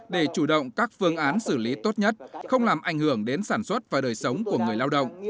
để chủ động các phương án xử lý tốt nhất không làm ảnh hưởng đến sản xuất và đời sống của người lao động